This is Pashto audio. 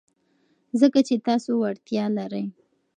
ځکه چې تاسو وړتیا لرئ.